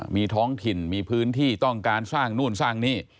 มีท้องถิ่นมีพื้นที่ต้องการสร้างนู่นสร้างนี่